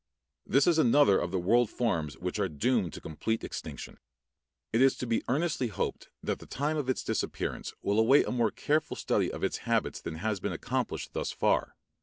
This is another of the world forms which are doomed to complete extinction. It is to be earnestly hoped that the time of its disappearance will await a more careful study of its habits than has been accomplished thus far.